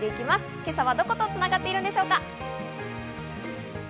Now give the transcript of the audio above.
今朝はどことつながっているでしょうか？